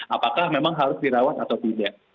apakah memang harus dirawat atau tidak